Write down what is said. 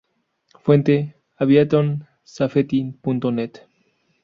Fuente: Aviation- Safety.net.